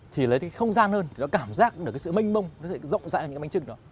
thì lấy cái không gian hơn thì nó cảm giác được cái sự mênh mông nó sẽ rộng rãi hơn những cái bánh trưng đó